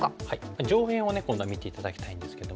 上辺を今度は見て頂きたいんですけども。